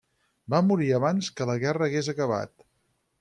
Va morir abans que la guerra hagués acabat.